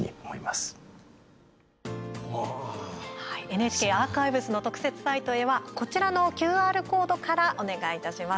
ＮＨＫアーカイブスの特設サイトへはこちらのＱＲコードからお願いいたします。